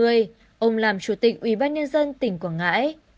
ông làm chủ tịch ubnd tỉnh quảng ngãi